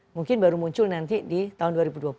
mungkin baru muncul nanti di tahun dua ribu dua puluh